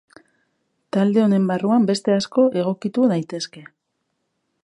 Talde honen barruan beste asko egokitu daitezke.